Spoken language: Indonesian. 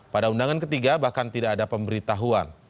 pada undangan ketiga bahkan tidak ada pemberitahuan